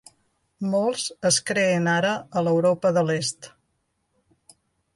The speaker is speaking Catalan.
Molts es creen ara a l'Europa de l'Est.